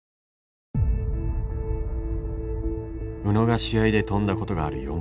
宇野が試合で跳んだことがある